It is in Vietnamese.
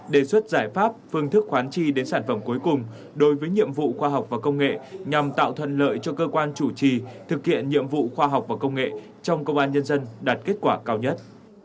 đề xuất giải pháp phương thức khoán chi đến sản phẩm cuối cùng đối với nhiệm vụ khoa học và công nghệ nhằm tạo thuận lợi cho cơ quan chủ trì thực hiện nhiệm vụ khoa học và công nghệ trong công an nhân dân đạt kết quả cao nhất